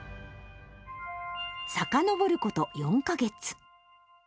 さかのぼること４か月。